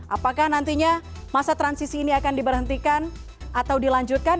apakah nantinya masa transisi ini akan diberhentikan atau dilanjutkan